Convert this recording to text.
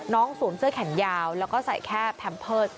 สวมเสื้อแขนยาวแล้วก็ใส่แค่แพมเพิร์ต